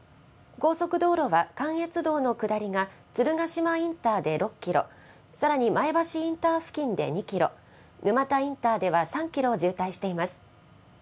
高速道路は、関越道の下りが、鶴ヶ島インターで６キロ、さらに前橋インター付近で２キロ、沼田インターでは３キロ渋滞しています。